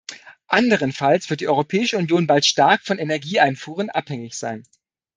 Anderenfalls wird die Europäische Union bald stark von Energieeinfuhren abhängig sein.